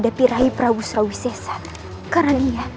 mereka harus mati malam ini